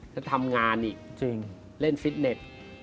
แล้วทำงานอีกเล่นฟิตเน็ต